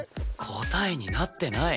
答えになってない。